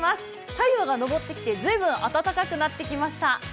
太陽が昇ってきて、随分暖かくなってきました。